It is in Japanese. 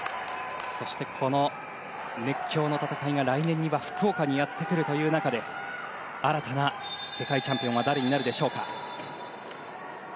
そして、この熱狂の戦いが来年には福岡にやってくるという中で新たな世界チャンピオンは誰になるでしょうか。